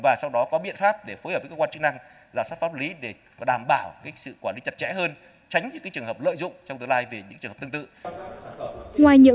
và sau đó có biện pháp để phối hợp với cơ quan chức năng rà soát pháp lý để đảm bảo sự quản lý chặt chẽ hơn